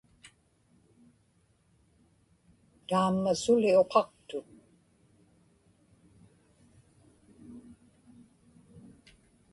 taamma suli uqaqtut